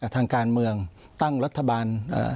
ทางการเมืองตั้งรัฐบาล